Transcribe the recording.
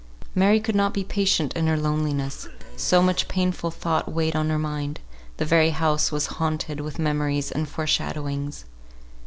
Mary could not be patient in her loneliness; so much painful thought weighed on her mind; the very house was haunted with memories and foreshadowings.